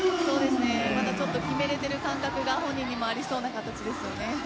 ただ、ちょっと決められている感覚が本人にありそうな感じですね。